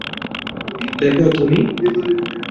দেখ, টমি।